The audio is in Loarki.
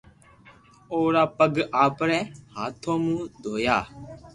اورا پگ آپري ھاٿو مون دويا